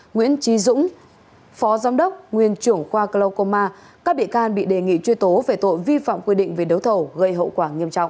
nguyễn trí dũng phó giám đốc nguyên trưởng khoa clocoma các bị can bị đề nghị truy tố về tội vi phạm quy định về đấu thầu gây hậu quả nghiêm trọng